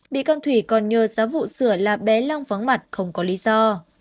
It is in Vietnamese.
bị căn thủy còn nhờ giáo vụ sửa là bé long vắng mặt không có lý do